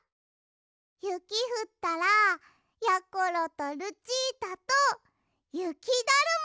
ゆきふったらやころとルチータとゆきだるまつくるんだ！